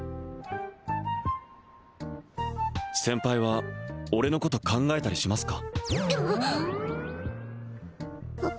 先輩は俺のこと考えたりしますか？